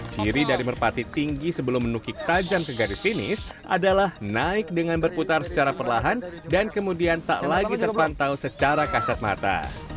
ciri dari merpati tinggi sebelum menukik tajam ke garis finish adalah naik dengan berputar secara perlahan dan kemudian tak lagi terpantau secara kasat mata